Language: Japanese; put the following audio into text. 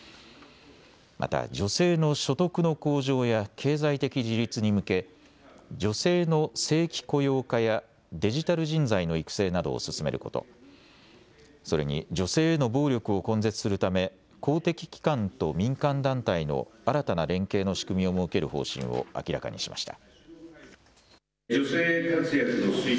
また女性の所得の向上や経済的自立に向け女性の正規雇用化やデジタル人材の育成などを進めることそれに女性への暴力を根絶するため公的機関と民間団体の新たな連携の仕組みを設ける方針を明らかにしました。